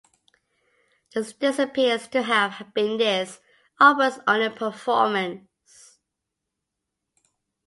This appears to have been this opera's only performance.